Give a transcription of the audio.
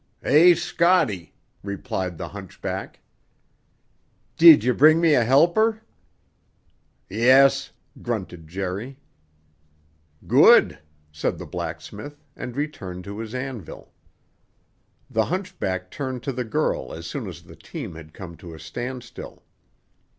"Hey, Scotty," replied the hunchback. "Did ye bring me a helper?" "Yes," grunted Jerry. "Good!" said the blacksmith, and returned to his anvil. The hunchback turned to the girl as soon as the team had come to a standstill.